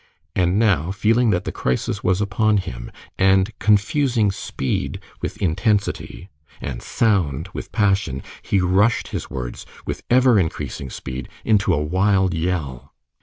And now, feeling that the crisis was upon him, and confusing speed with intensity, and sound with passion, he rushed his words, with ever increasing speed, into a wild yell.